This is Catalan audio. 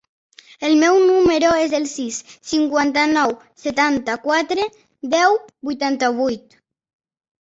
El meu número es el sis, cinquanta-nou, setanta-quatre, deu, vuitanta-vuit.